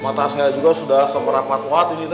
mata saya juga sudah seberang kuat ini tuh